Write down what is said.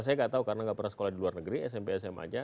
saya nggak tahu karena nggak pernah sekolah di luar negeri smp sma aja